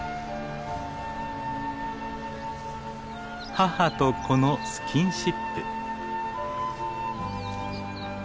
母と子のスキンシップ。